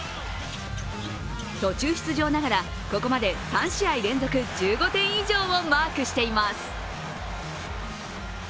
途中出場ながらここまで３試合連続１５点以上をマークしています。